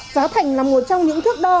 giá thành là một trong những thước đo